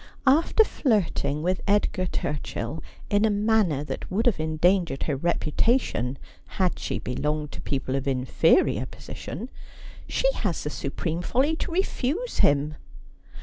After flirting with Edgar Turchill in a manner that would have endangered her reputation had she belonged to people of infe rior position, she has the supreme folly to refuse him.'